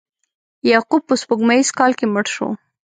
یعقوب په سپوږمیز کال کې مړ شو.